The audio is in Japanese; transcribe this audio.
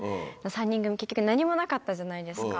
３人組、結局何もなかったじゃないですか。